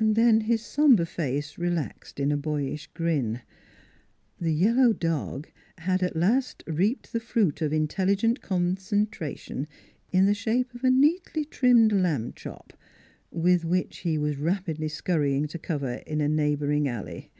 Then his somber face relaxed in a boyish grin: the yellow dog had at last reaped the fruit of intelligent concentration in the shape of a neatly trimmed lamb chop, with which he was rapidly skurrying to cover in a neighboring alley.